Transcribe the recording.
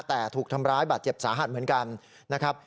แต่ถูกทำร้ายบาดเจ็บสาหัสเหมือนกันนะครับ